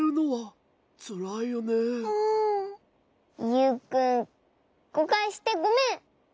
ユウくんごかいしてごめん！